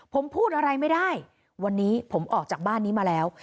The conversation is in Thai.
ผมพูดอะไรไม่ได้วันนี้ผมออกจากบ้านนี้มาแล้ว